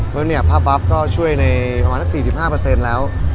เพราะเนี่ยผ้าบ๊อฟก็ช่วยใน๔๕แล้ว